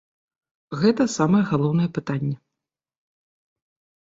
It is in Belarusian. Гэта самае галоўнае пытанне.